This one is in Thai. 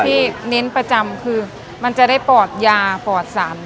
เน้นประจำคือมันจะได้ปอดยาปอดสัน